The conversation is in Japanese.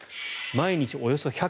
毎日およそ１００件。